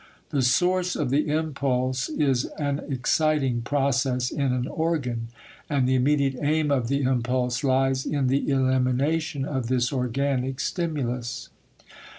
The source of the impulse is an exciting process in an organ, and the immediate aim of the impulse lies in the elimination of this organic stimulus.